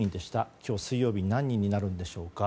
今日、水曜日何人になるんでしょうか。